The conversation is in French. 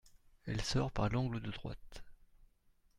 Elle sort par l’angle de droite.